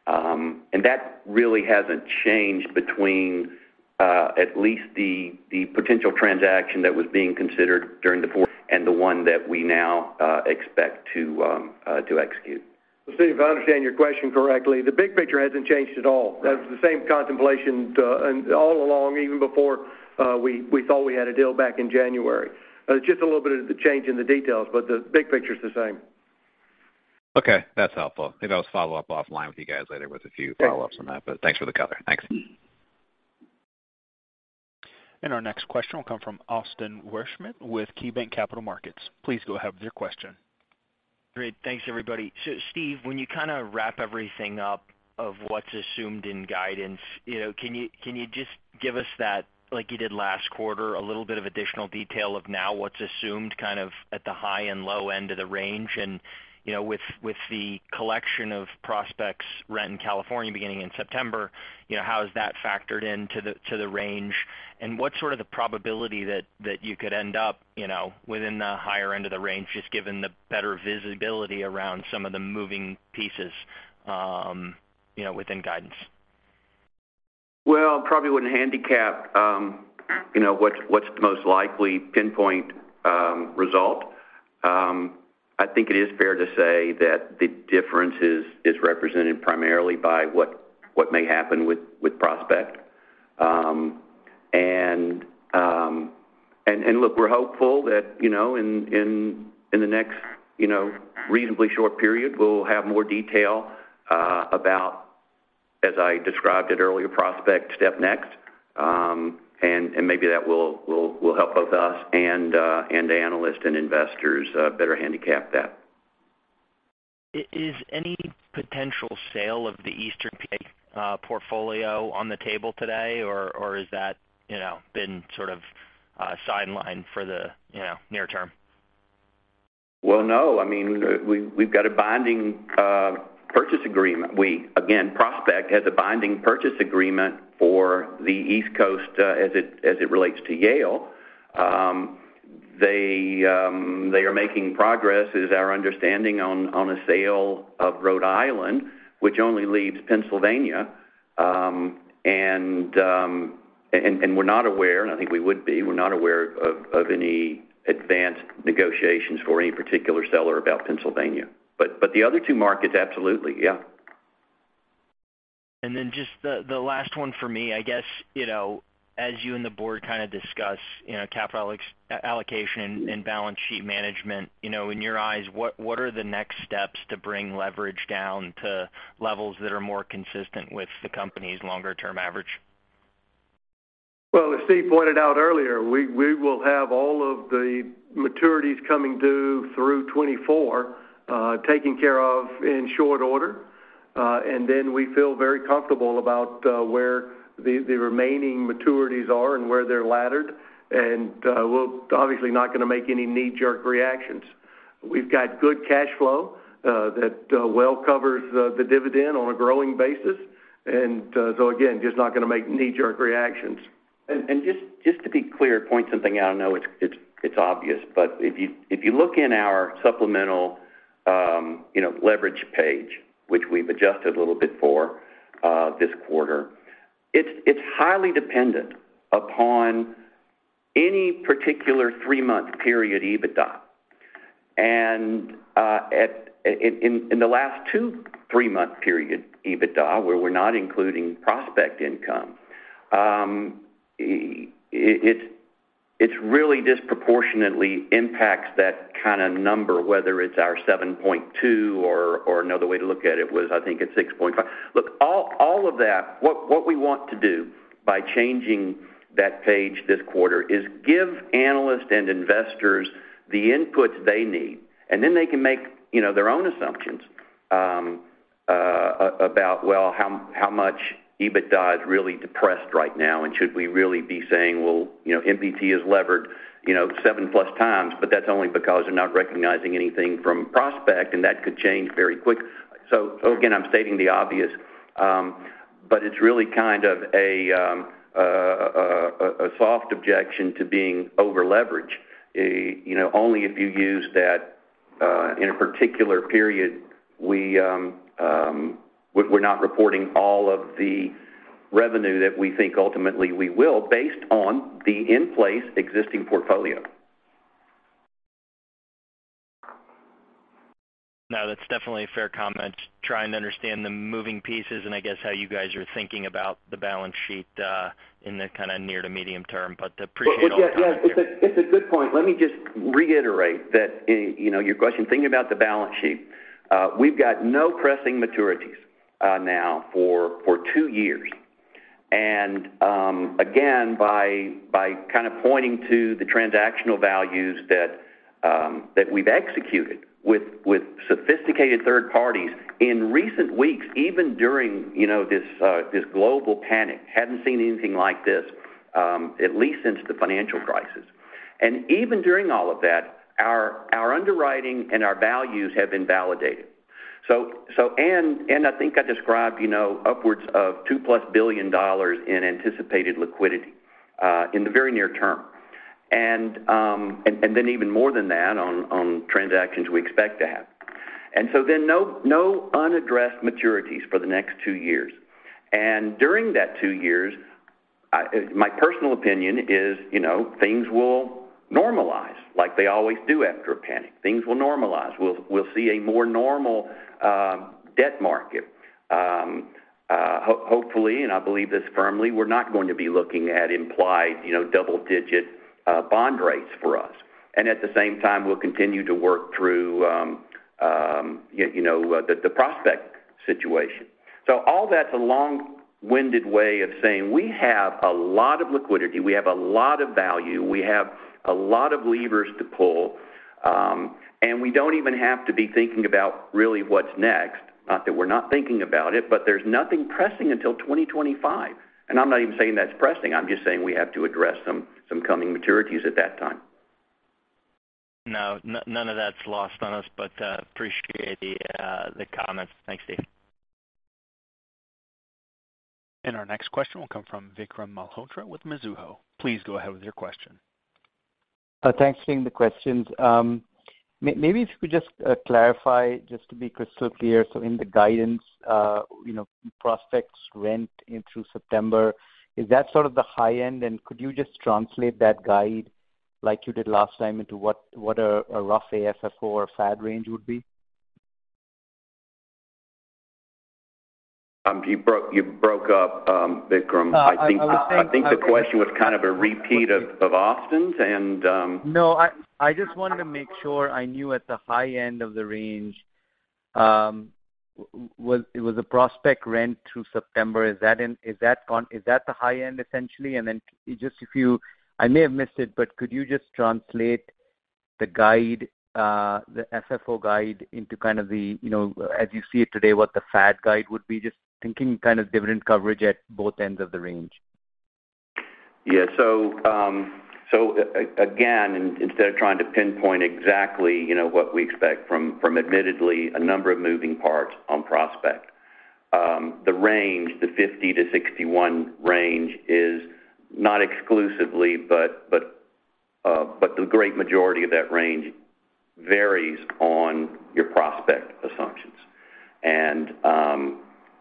Speaker 4: That really hasn't changed between, at least the potential transaction that was being considered during the fourth and the one that we now, expect to execute.
Speaker 3: Steve, if I understand your question correctly, the big picture hasn't changed at all.
Speaker 8: Right.
Speaker 3: That's the same contemplation, all along, even before, we thought we had a deal back in January. It's just a little bit of the change in the details, but the big picture is the same.
Speaker 8: Okay, that's helpful. Maybe I'll just follow up offline with you guys later with a few.
Speaker 3: Thanks.
Speaker 8: Follow-ups on that, but thanks for the color. Thanks.
Speaker 1: Our next question will come from Austin Wurschmidt with KeyBanc Capital Markets. Please go ahead with your question.
Speaker 9: Great. Thanks, everybody. Steve, when you kind of wrap everything up of what's assumed in guidance, you know, can you just give us that, like you did last quarter, a little bit of additional detail of now what's assumed kind of at the high and low end of the range? You know, with the collection of Prospect's rent in California beginning in September, you know, how is that factored into the range? And what's sort of the probability that you could end up, you know, within the higher end of the range, just given the better visibility around some of the moving pieces, you know, within guidance?
Speaker 4: Well, probably wouldn't handicap, you know, what's the most likely pinpoint result. I think it is fair to say that the difference is represented primarily by what may happen with Prospect. Look, we're hopeful that, you know, in the next, you know, reasonably short period, we'll have more detail about, as I described it earlier, Prospect's step next. Maybe that will help both us and the analysts and investors better handicap that.
Speaker 9: Is any potential sale of the Eastern PA portfolio on the table today, or has that, you know, been sort of sidelined for the, you know, near term?
Speaker 4: Well, no, I mean, we've got a binding purchase agreement. Again, Prospect has a binding purchase agreement for the East Coast as it relates to Yale. They are making progress, is our understanding, on a sale of Rhode Island, which only leaves Pennsylvania. We're not aware, and I think we would be. We're not aware of any advanced negotiations for any particular seller about Pennsylvania. The other two markets, absolutely, yeah.
Speaker 9: Just the last one for me, I guess, you know, as you and the board kind of discuss, you know, capital allocation and balance sheet management, you know, in your eyes, what are the next steps to bring leverage down to levels that are more consistent with the company's longer-term average?
Speaker 3: Well, as Steve pointed out earlier, we will have all of the maturities coming due through 2024, taken care of in short order. We feel very comfortable about where the remaining maturities are and where they're laddered. We'll obviously not gonna make any knee-jerk reactions. We've got good cash flow that well covers the dividend on a growing basis. Again, just not gonna make knee-jerk reactions.
Speaker 4: Just to be clear, point something out, I know it's obvious, but if you look in our supplemental, you know, leverage page, which we've adjusted a little bit for this quarter, it's highly dependent upon any particular 3-month period EBITDA. In the last two three-month period EBITDA, where we're not including Prospect income, it's really disproportionately impacts that kind of number, whether it's our 7.2 or another way to look at it was, I think it's 6.5. Look, all of that, what we want to do by changing that page this quarter is give analysts and investors the inputs they need, and then they can make, you know, their own assumptions about, well, how much EBITDA is really depressed right now, and should we really be saying, well, you know, MPT is levered, you know, 7-plus times, but that's only because they're not recognizing anything from Prospect, and that could change very quick. Again, I'm stating the obvious, but it's really kind of a soft objection to being over-leveraged. You know, only if you use that in a particular period, we're not reporting all of the revenue that we think ultimately we will based on the in-place existing portfolio.
Speaker 9: No, that's definitely a fair comment. Trying to understand the moving pieces and I guess how you guys are thinking about the balance sheet in the kind of near to medium term. Appreciate all the comment there.
Speaker 4: Yeah, it's a good point. Let me just reiterate that, you know, your question, thinking about the balance sheet. We've got no pressing maturities now for two-years. Again, by kind of pointing to the transactional values that we've executed with sophisticated third parties in recent weeks, even during, you know, this global panic, hadn't seen anything like this at least since the financial crisis. Even during all of that, our underwriting and our values have been validated. I think I described, you know, upwards of $2+ billion in anticipated liquidity in the very near term. Even more than that on transactions we expect to have. No unaddressed maturities for the next two-years. During that two-years, my personal opinion is, you know, things will normalize, like they always do after a panic. Things will normalize. We'll see a more normal debt market. Hopefully, and I believe this firmly, we're not going to be looking at implied, you know, double-digit bond rates for us. At the same time, we'll continue to work through, you know, the Prospect situation. All that's a long-winded way of saying we have a lot of liquidity, we have a lot of value, we have a lot of levers to pull, and we don't even have to be thinking about really what's next. Not that we're not thinking about it, but there's nothing pressing until 2025. I'm not even saying that's pressing. I'm just saying we have to address some coming maturities at that time.
Speaker 9: No, none of that's lost on us, but appreciate the comments. Thanks, Steve.
Speaker 1: Our next question will come from Vikram Malhotra with Mizuho. Please go ahead with your question.
Speaker 10: Thanks for taking the questions. Maybe if you could just clarify, just to be crystal clear, so in the guidance, Prospect's rent in through September, is that sort of the high end? Could you just translate that guide like you did last time into what a rough AFFO or FAD range would be?
Speaker 4: You broke up, Vikram.
Speaker 10: Uh, I was saying-
Speaker 4: I think the, I think the question was kind of a repeat of Austin's and
Speaker 10: I just wanted to make sure I knew at the high end of the range, it was a Prospect rent through September. Is that the high end essentially? Just I may have missed it, but could you just translate the guide, the AFFO guide into kind of the, you know, as you see it today, what the FAD guide would be, just thinking kind of dividend coverage at both ends of the range.
Speaker 4: Yeah. again, instead of trying to pinpoint exactly, you know, what we expect from admittedly a number of moving parts on Prospect, the range, the 50-61 range is not exclusively, but the great majority of that range varies on your Prospect assumptions.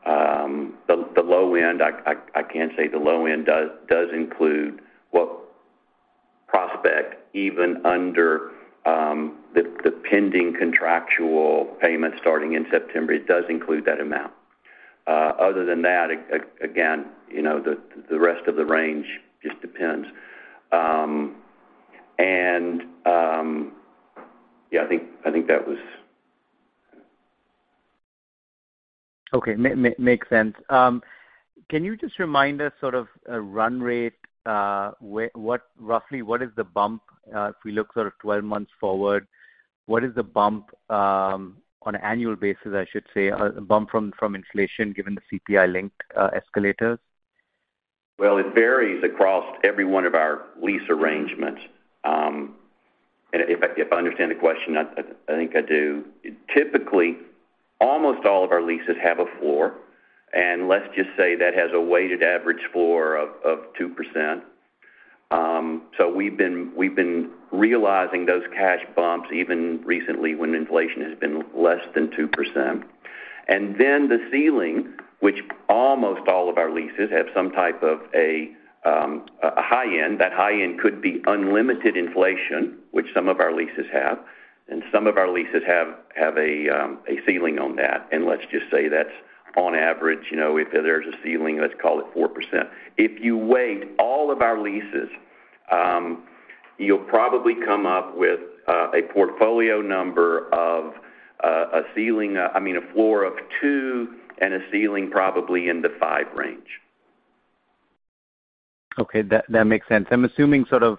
Speaker 4: The low end, I can say the low end does include what Prospect, even under the pending contractual payments starting in September, it does include that amount. Other than that, again, you know, the rest of the range just depends. Yeah, I think that was.
Speaker 10: Okay. Makes sense. Can you just remind us sort of a run rate, roughly, what is the bump, if we look sort of 12 months forward, what is the bump, on an annual basis, I should say, a bump from inflation given the CPI-linked, escalators?
Speaker 4: Well, it varies across every one of our lease arrangements. If I understand the question, I think I do. Typically, almost all of our leases have a floor, let's just say that has a weighted average floor of 2%. We've been realizing those cash bumps even recently when inflation has been less than 2%. The ceiling, which almost all of our leases have some type of a high end. That high end could be unlimited inflation, which some of our leases have, some of our leases have a ceiling on that. Let's just say that's on average, you know, if there's a ceiling, let's call it 4%. If you weight all of our leases, you'll probably come up with a portfolio number of a ceiling, I mean, a floor of two and a ceiling probably in the five range.
Speaker 10: Okay. That makes sense. I'm assuming sort of,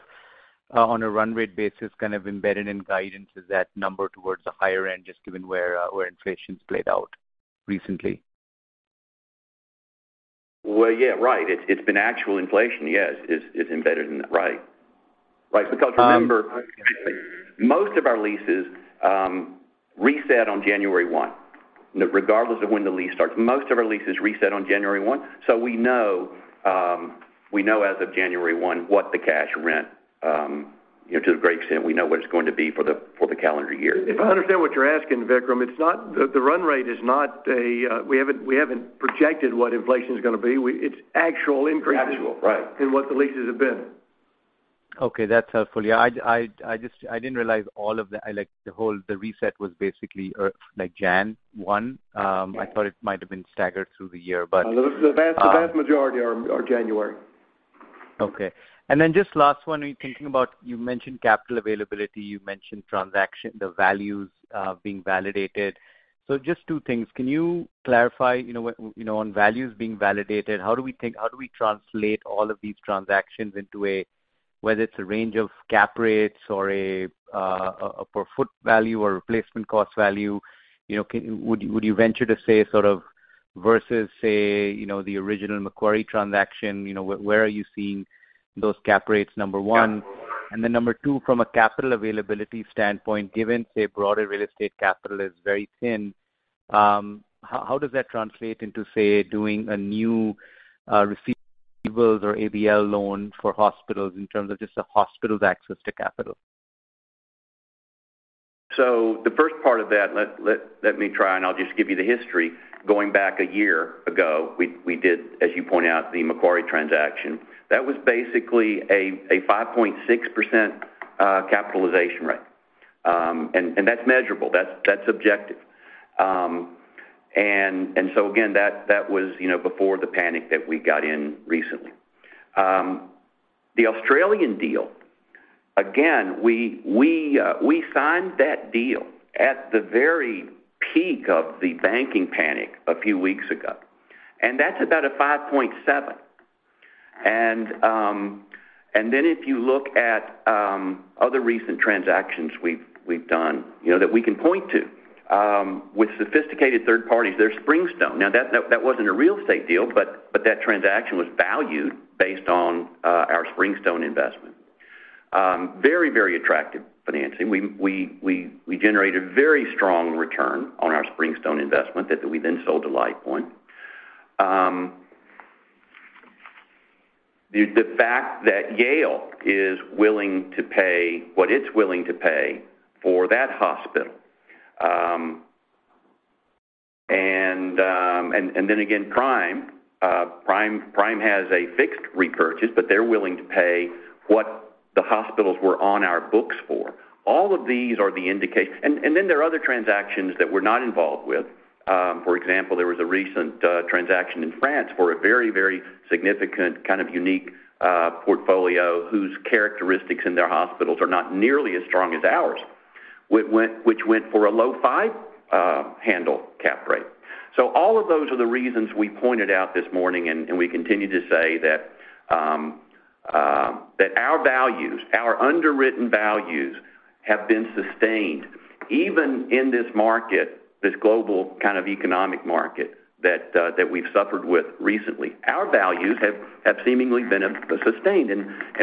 Speaker 10: on a run rate basis, kind of embedded in guidance is that number towards the higher end, just given where inflation's played out recently.
Speaker 4: Well, yeah, right. It's been actual inflation, yes, is embedded in that, right. Right. Remember, most of our leases reset on January one, regardless of when the lease starts. Most of our leases reset on January one, so we know, we know as of January 1 what the cash rent, you know, to a great extent, we know what it's going to be for the calendar year.
Speaker 3: If I understand what you're asking, Vikram, it's not. The run rate is not a. We haven't projected what inflation is gonna be. It's actual increases-
Speaker 4: Actual, right.
Speaker 3: in what the leases have been.
Speaker 10: Okay, that's helpful. Yeah, I'd I didn't realize all of the, like, the whole, the reset was basically, like January 1. I thought it might have been staggered through the year, but.
Speaker 3: The vast majority are January.
Speaker 10: Okay. Just last one, thinking about, you mentioned capital availability, you mentioned transaction, the values being validated. Just two things. Can you clarify, you know, what, you know, on values being validated, how do we translate all of these transactions into a, whether it's a range of cap rates or a per foot value or replacement cost value? You know, would you venture to say sort of versus, say, you know, the original Macquarie transaction, you know, where are you seeing those cap rates, number one? Number two, from a capital availability standpoint, given, say, broader real estate capital is very thin, how does that translate into, say, doing a new receivables or ABL loan for hospitals in terms of just the hospital's access to capital?
Speaker 4: The first part of that, let me try, and I'll just give you the history. Going back a year ago, we did, as you point out, the Macquarie transaction. That was basically a 5.6% capitalization rate. That's measurable, that's objective. Again, that was, you know, before the panic that we got in recently. The Australian deal. Again, we signed that deal at the very peak of the banking panic a few weeks ago, and that's about a 5.7. Then if you look at other recent transactions we've done, you know, that we can point to with sophisticated third parties, there's Springstone. Now that wasn't a real estate deal, but that transaction was valued based on our Springstone investment. Very, very attractive financing. We generated very strong return on our Springstone investment that we then sold to LifePoint. The fact that Yale is willing to pay what it's willing to pay for that hospital, and then again, Prime. Prime has a fixed repurchase, but they're willing to pay what the hospitals were on our books for. All of these are the indications. There are other transactions that we're not involved with. For example, there was a recent transaction in France for a very, very significant, kind of unique, portfolio whose characteristics in their hospitals are not nearly as strong as ours. Which went for a low 5 handle cap rate. All of those are the reasons we pointed out this morning, and we continue to say that our values, our underwritten values have been sustained even in this market, this global kind of economic market that we've suffered with recently. Our values have seemingly been sustained.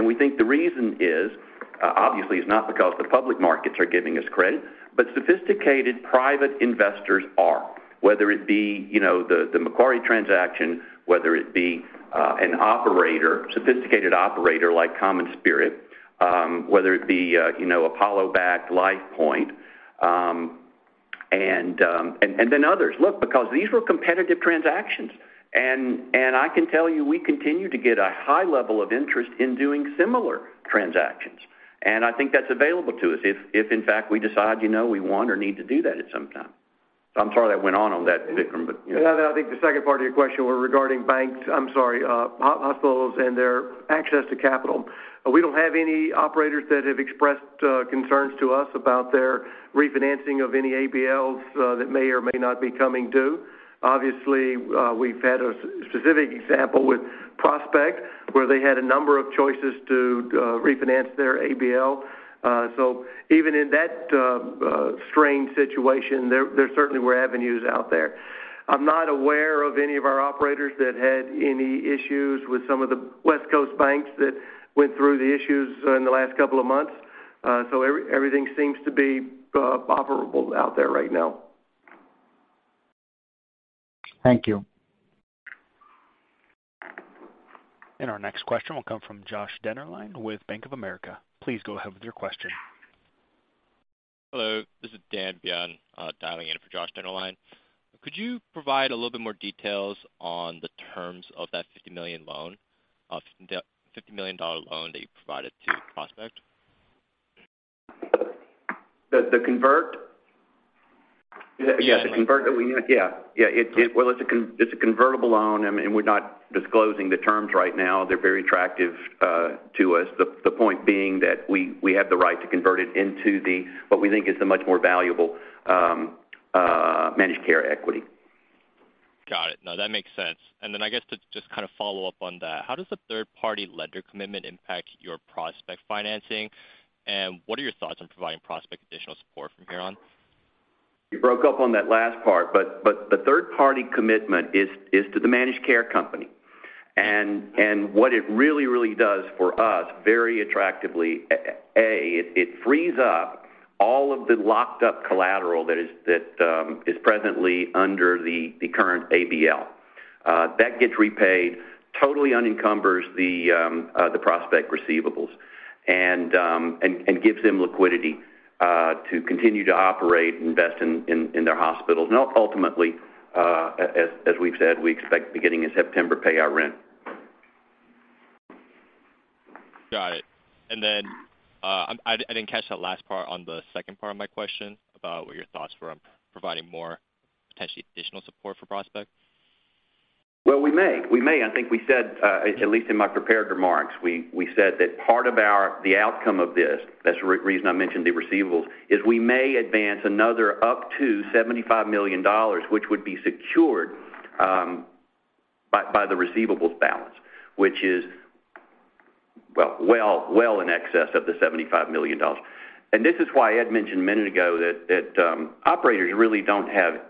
Speaker 4: We think the reason is, obviously, it's not because the public markets are giving us credit, but sophisticated private investors are. Whether it be, you know, the Macquarie transaction, whether it be an operator, sophisticated operator like CommonSpirit, whether it be, you know, Apollo-backed LifePoint, and then others. Look, because these were competitive transactions. I can tell you, we continue to get a high level of interest in doing similar transactions. I think that's available to us if in fact, we decide, you know, we want or need to do that at some time. I'm sorry that went on on that, Vikram, but yeah.
Speaker 3: No, I think the second part of your question was regarding banks, I'm sorry, hospitals and their access to capital. We don't have any operators that have expressed concerns to us about their refinancing of any ABLs that may or may not be coming due. Obviously, we've had a specific example with Prospect, where they had a number of choices to refinance their ABL. Even in that strained situation, there certainly were avenues out there. I'm not aware of any of our operators that had any issues with some of the West Coast banks that went through the issues in the last couple of months. Everything seems to be operable out there right now.
Speaker 10: Thank you.
Speaker 1: Our next question will come from Josh Dennerlein with Bank of America. Please go ahead with your question.
Speaker 11: Hello, this is Dan Byun, dialing in for Josh Dennerlein. Could you provide a little bit more details on the terms of that $50 million loan that you provided to Prospect?
Speaker 4: The convert?
Speaker 11: Yes.
Speaker 4: The convert that we. Yeah. It's a convertible loan, and we're not disclosing the terms right now. They're very attractive to us. The point being that we have the right to convert it into the, what we think is a much more valuable managed care equity.
Speaker 11: Got it. No, that makes sense. Then I guess to just kind of follow up on that, how does the third party lender commitment impact your Prospect financing? What are your thoughts on providing Prospect additional support from here on?
Speaker 4: You broke up on that last part, but the third party commitment is to the managed care company. What it really does for us, very attractively, it frees up all of the locked up collateral that is presently under the current ABL. That gets repaid, totally unencumbers the Prospect receivables and gives them liquidity to continue to operate and invest in their hospitals. Ultimately, as we've said, we expect beginning in September, pay our rent.
Speaker 11: Got it. Then I didn't catch that last part on the second part of my question about what your thoughts were on providing more potentially additional support for Prospect.
Speaker 4: Well, we may. We may. I think we said, at least in my prepared remarks, we said that part of the outcome of this, that's the reason I mentioned the receivables, is we may advance another up to $75 million, which would be secured by the receivables balance, which is well in excess of the $75 million. This is why Ed mentioned a minute ago that operators really don't have,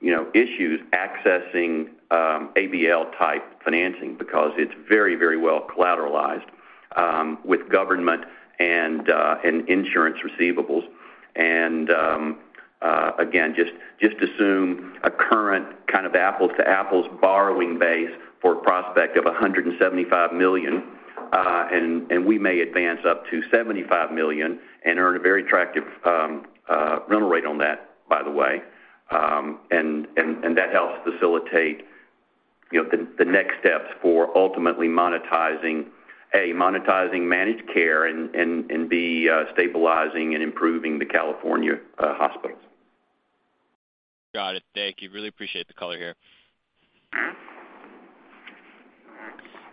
Speaker 4: you know, issues accessing ABL type financing because it's very well collateralized with government and insurance receivables. Again, just assume a current kind of apples to apples borrowing base for Prospect of $175 million, and we may advance up to $75 million and earn a very attractive rental rate on that, by the way. That helps facilitate, you know, the next steps for ultimately monetizing managed care and b, stabilizing and improving the California hospitals.
Speaker 11: Got it. Thank you. Really appreciate the color here.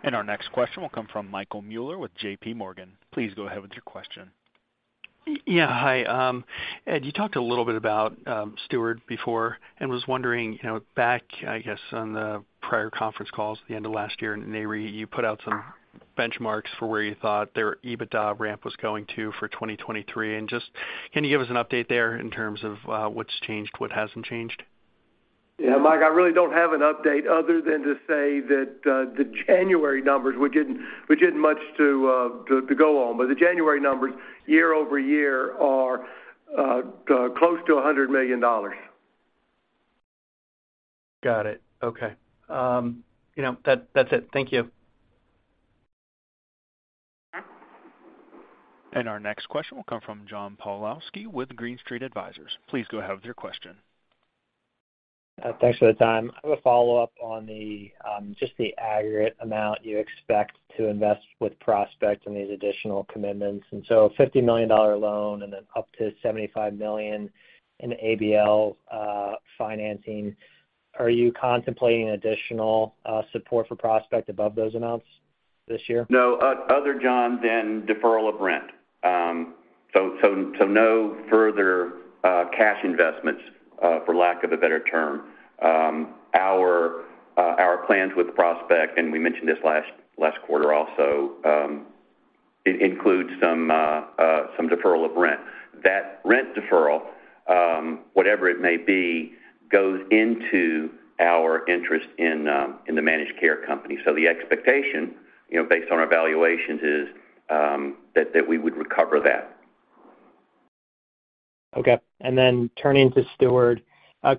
Speaker 1: Our next question will come from Michael Mueller with J.P. Morgan. Please go ahead with your question.
Speaker 12: Hi. Ed Aldag, you talked a little bit about Steward before, and was wondering, you know, back, I guess, on the prior conference calls at the end of last year in Nareit you put out some benchmarks for where you thought their EBITDA ramp was going to for 2023. Can you give us an update there in terms of what's changed, what hasn't changed?
Speaker 4: Yeah, Mike, I really don't have an update other than to say that the January numbers, which isn't much to go on, but the January numbers year-over-year are close to $100 million.
Speaker 12: Got it. Okay. You know, that's it. Thank you.
Speaker 1: Our next question will come from John Pawlowski with Green Street Advisors. Please go ahead with your question.
Speaker 13: Thanks for the time. I have a follow-up on the, just the aggregate amount you expect to invest with Prospect in these additional commitments. A $50 million loan and then up to $75 million in ABL financing. Are you contemplating additional support for Prospect above those amounts this year?
Speaker 4: No. Other, John, than deferral of rent. No further cash investments for lack of a better term. Our plans with Prospect, and we mentioned this last quarter also, includes some deferral of rent. That rent deferral, whatever it may be, goes into our interest in the managed care company. The expectation, you know, based on our evaluations is that we would recover that.
Speaker 13: Okay. Turning to Steward,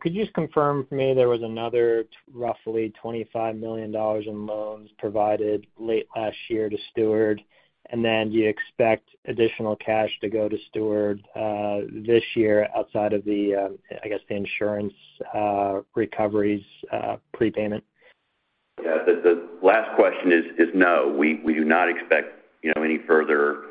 Speaker 13: could you just confirm for me there was another roughly $25 million in loans provided late last year to Steward, and then do you expect additional cash to go to Steward, this year outside of the, I guess, the insurance, recoveries, prepayment?
Speaker 4: Yeah. The last question is no, we do not expect, you know, any further,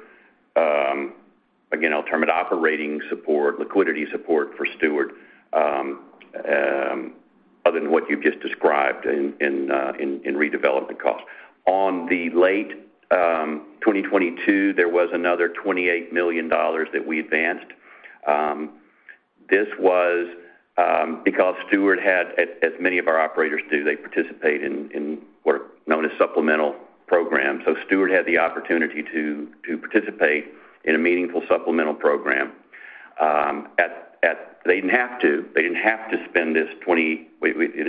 Speaker 4: again, I'll term it operating support, liquidity support for Steward, other than what you've just described in redevelopment costs. On the late 2022, there was another $28 million that we advanced. This was because Steward had, as many of our operators do, they participate in what are known as supplemental programs. Steward had the opportunity to participate in a meaningful supplemental program. They didn't have to. It ended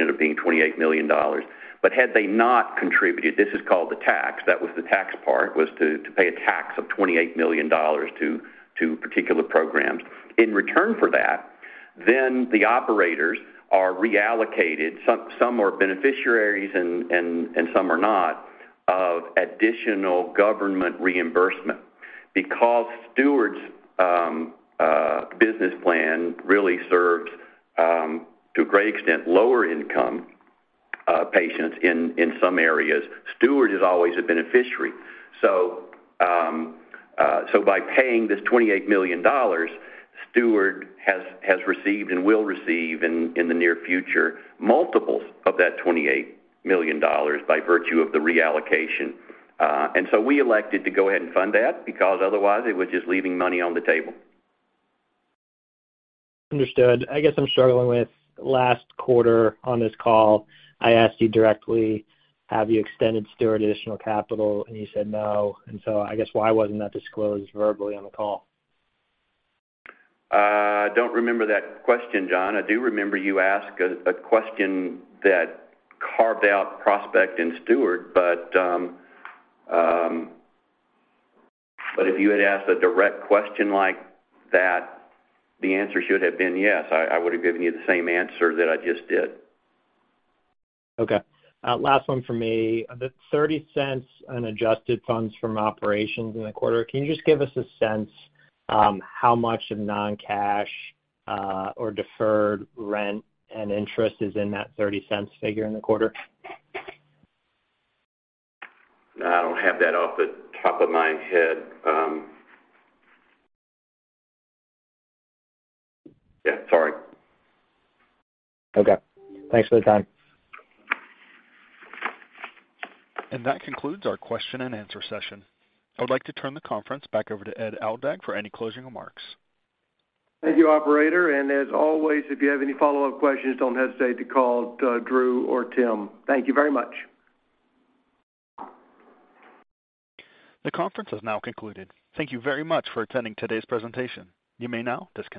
Speaker 4: up being $28 million. Had they not contributed, this is called the tax. That was the tax part, was to pay a tax of $28 million to particular programs. In return for that, the operators are reallocated. Some are beneficiaries and some are not, of additional government reimbursement. Because Steward's business plan really serves to a great extent, lower income patients in some areas, Steward is always a beneficiary. By paying this $28 million, Steward has received and will receive in the near future, multiples of that $28 million by virtue of the reallocation. We elected to go ahead and fund that because otherwise it was just leaving money on the table.
Speaker 13: Understood. I guess I'm struggling with last quarter on this call, I asked you directly, "Have you extended Steward additional capital?" You said, "No." I guess why wasn't that disclosed verbally on the call?
Speaker 4: I don't remember that question, John. I do remember you asked a question that carved out Prospect and Steward. If you had asked a direct question like that, the answer should have been yes. I would have given you the same answer that I just did.
Speaker 13: Okay. Last one for me. The $0.30 on adjusted funds from operations in the quarter, can you just give us a sense, how much of non-cash or deferred rent and interest is in that $0.30 figure in the quarter?
Speaker 4: No, I don't have that off the top of my head. Yeah, sorry.
Speaker 13: Okay. Thanks for the time.
Speaker 1: That concludes our question and answer session. I would like to turn the conference back over to Ed Aldag for any closing remarks.
Speaker 3: Thank you, operator. As always, if you have any follow-up questions, don't hesitate to call Drew or Tim. Thank you very much.
Speaker 1: The conference has now concluded. Thank you very much for attending today's presentation. You may now disconnect.